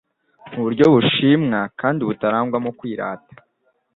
Mu buryo bushimwa kandi butarangwamo kwirata,